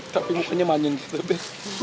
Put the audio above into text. tapi mukanya manjin gitu be